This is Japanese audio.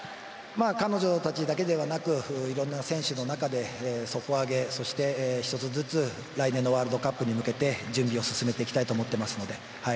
彼女たちだけではなくいろんな選手の中で底上げをして１つずつ来年のワールドカップへ向けて準備を進めていきたいと思っていますので。